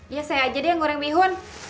ya saya aja deh yang goreng bihun